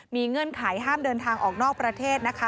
มีเงื่อนไขห้ามเดินทางออกนอกประเทศนะคะ